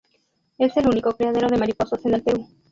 Es el único criadero de mariposas en el Perú.